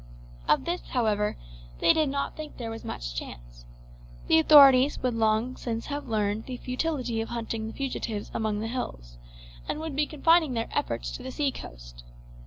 Of this, however, they did not think there was much chance. The authorities would have long since learned the futility of hunting the fugitives among the hills, and would be confining their efforts to the sea coast.